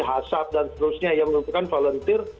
hacap dan seterusnya yang merupakan volunteer